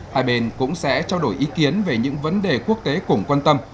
hai bên cũng sẽ trao đổi ý kiến về những vấn đề quốc tế cùng quan tâm